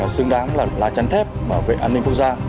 xứng đáng là lá chắn thép bảo vệ an ninh quốc gia